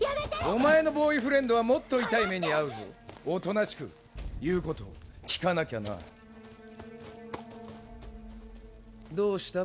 お前のボーイフレンドはもっと痛い目に遭うぞおとなしく言うことを聞かなきゃなどうした？